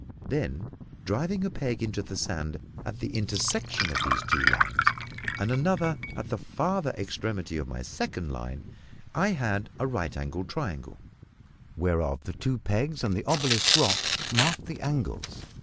Then, driving a peg into the sand at the intersection of these two lines, and another at the farther extremity of my second line, I had a right angled triangle, whereof the two pegs and the obelisk rock marked the angles.